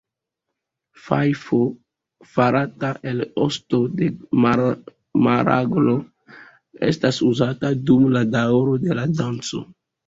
Fajfo farata el osto de maraglo estas uzata dum la daŭro de la danco.